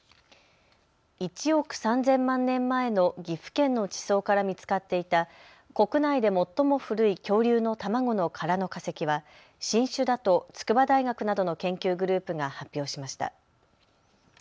１億３０００万年前の岐阜県の地層から見つかっていた国内で最も古い恐竜の卵の殻の化石は新種だと筑波大学などの研究グループが発表しました。